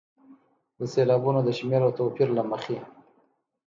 د سېلابونو د شمېر او توپیر له مخې.